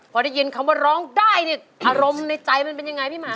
พอได้ยินคำว่าร้องได้เนี่ยอารมณ์ในใจมันเป็นยังไงพี่หมา